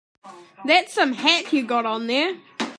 That's some hat you got on there.